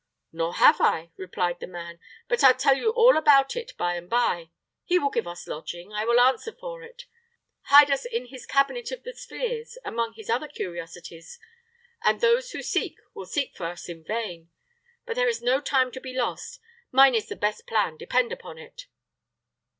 "Nor have I," replied the man. "But I'll tell you all about it by and by. He will give us lodging, I will answer for it hide us in his cabinet of the spheres, among his other curiosities, and those who seek will seek for us in vain. But there is no time to be lost. Mine is the best plan, depend upon it."